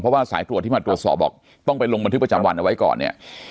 เพราะว่าสายตรวจที่มาตรวจสอบบอกต้องไปลงบันทึกประจำวันเอาไว้ก่อนเนี่ย